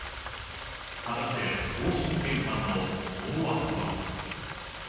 果たして方針転換の思惑は。